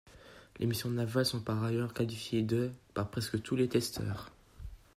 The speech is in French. Les missions navales sont par ailleurs qualifiées de par presque tous les testeurs.